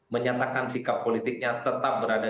menyatakan sikap politiknya tetap berada